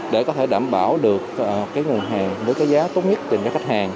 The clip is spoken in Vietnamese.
để có thể đảm bảo được nguồn hàng với giá tốt nhất cho khách hàng